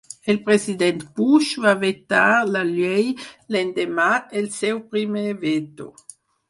El President Bush va vetar la llei l'endemà, el seu primer veto.